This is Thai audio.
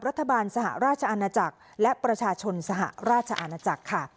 รัฐบาลสหราชอาณาจักรและประชาชนสหราชอาณาจักรค่ะ